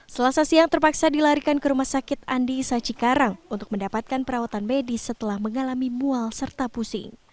selasa siang terpaksa dilarikan ke rumah sakit andi isa cikarang untuk mendapatkan perawatan medis setelah mengalami mual serta pusing